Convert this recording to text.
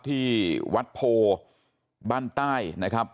ที่วัดโพบ้านใต้นะครับ